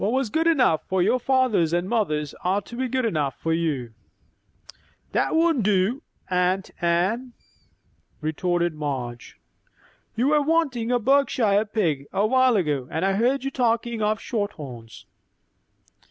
"What was good enough for your fathers and mothers ought to be good enough for you." "That won't do, aunt Anne," retorted Madge. "You were wanting a Berkshire pig a while ago, and I heard you talking of 'shorthorns.'"